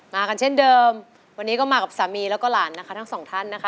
มากันเช่นเดิมวันนี้ก็มากับสามีแล้วก็หลานนะคะทั้งสองท่านนะคะ